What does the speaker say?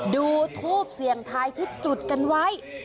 ดูทูปเสียงทายที่จุดกันไว้